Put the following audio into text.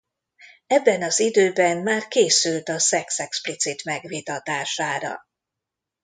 Ebben az időben már készült a szex explicit megvitatására.